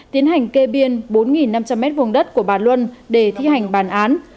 tiến hành kê biên bốn năm trăm linh m vùng đất của bản luân để thi hành bàn án